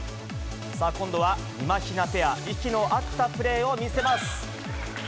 さあ、今度はみまひなペア、息の合ったプレーを見せます。